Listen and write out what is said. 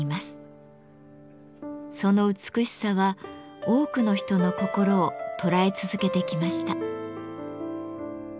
その美しさは多くの人の心を捉え続けてきました。